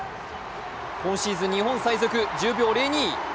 今シーズン日本最速、１０秒０２。